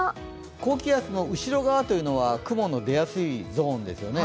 高気圧の後ろ側というのは雲の出やすいゾーンですね